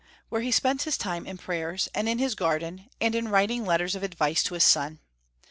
299 where he spent his time in prayers, and in his garden, and in writing letters of advice to his son.